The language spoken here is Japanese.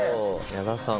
矢田さん。